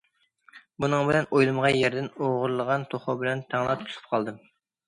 بۇنىڭ بىلەن ئويلىمىغان يەردىن ئوغرىلىغان توخۇ بىلەن تەڭلا تۇتۇلۇپ قالدىم.